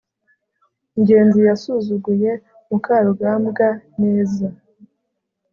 ngenzi yasuzuguye mukarugambwa neza